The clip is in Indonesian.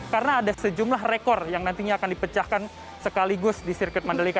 karena ada sejumlah rekor yang nantinya akan dipecahkan sekaligus di sirkuit mandalika